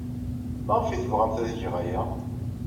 Maɣef ay tebɣamt ad geɣ aya?